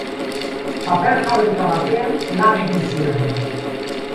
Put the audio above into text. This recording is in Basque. Paper-fabrika batean lan egin zuen.